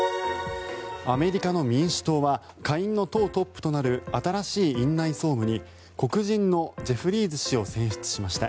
アメリカの民主党は下院の党トップとなる新しい院内総務に黒人のジェフリーズ氏を選出しました。